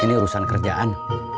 ini urusan kerjaan